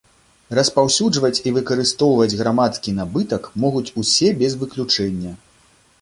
Распаўсюджваць і выкарыстоўваць грамадскі набытак могуць усе без выключэння.